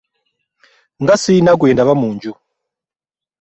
Nga sirina gwendaba munju.